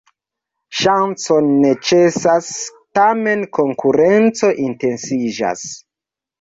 Ŝancoj senĉesas, tamen konkurenco intensiĝas.